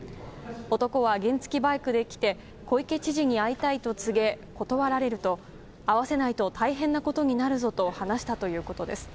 男は原付きバイクで来て小池知事に会いたいと告げ断られると、会わせないと大変なことになるぞと話したということです。